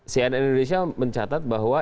cnn indonesia mencatat bahwa